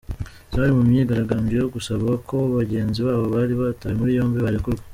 Zari mu myigaragambyo yo gusaba ko bagenzi babo bari batawe muri yombi barekurwa.